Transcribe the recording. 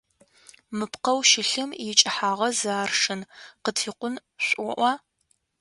Мы пхъэу щылъым икӏыхьагъэ зы аршын, къытфикъун шӏуӏуа?